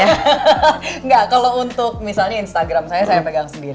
enggak kalau untuk misalnya instagram saya saya pegang sendiri